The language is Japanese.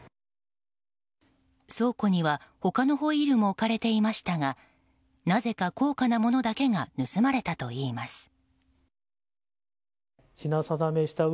倉庫には他のホイールも置かれていましたがなぜか高価なものだけが盗まれたといいます。